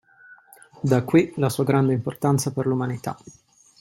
Da qui la sua grande importanza per l'umanità.